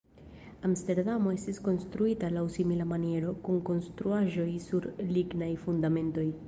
Amsterdamo estis konstruita laŭ simila maniero, kun konstruaĵoj sur lignaj fundamentoj.